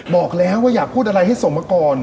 บอกแล้วว่าอยากพูดอะไรให้ส่งมาก่อน